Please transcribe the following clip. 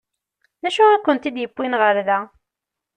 D acu i kent-id-yewwin ɣer da?